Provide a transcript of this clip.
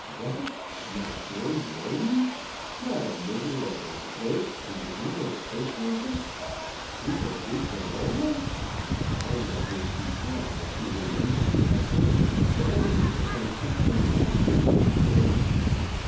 What! not George Roden! Not a miserable clerk in the English Post Office! Duca di Crinola; a title of which she thought that she remembered to have heard as belonging to some peculiarly ancient family!